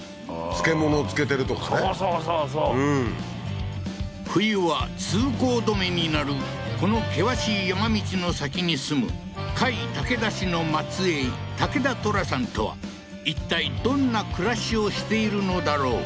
漬物を漬けてるとかねそうそうそうそう冬は通行止めになるこの険しい山道の先に住む甲斐武田氏の末えい武田トラさんとはいったいどんな暮らしをしているのだろう？